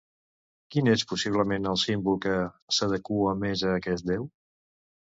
Quin és possiblement el símbol que s'adequa més a aquest déu?